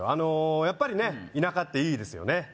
やっぱりね田舎っていいですよね